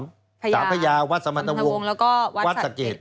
สามพญาสามพญาวัดสมรรถวงศ์แล้วก็วัดสัตว์เกด